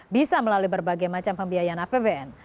bisa melalui berbagai macam pembiayaan apbn